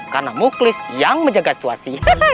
karena muklis yang menjaga situasi